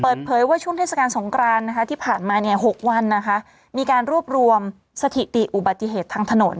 เปิดเผยว่าช่วงเทศกาลสงครานนะคะที่ผ่านมาเนี่ย๖วันนะคะมีการรวบรวมสถิติอุบัติเหตุทางถนน